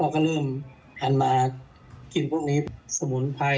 ก็เริ่มหันมากินพวกนี้สมุนไพร